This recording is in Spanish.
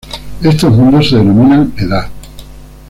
Estos mundos se denominan "Edad".